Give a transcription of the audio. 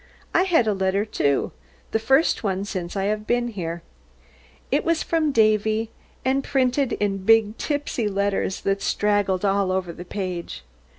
I had a letter, too. The first one since I have been here. It was from Davy, and printed in big tipsy letters that straggled all over the page.